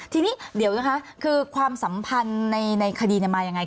ทีนี้เดี๋ยวนะคะคือความสัมพันธ์ในคดีมายังไง